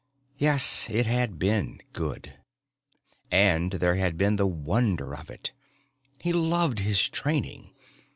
Yes, it had been good. And there had been the wonder of it. He loved his training.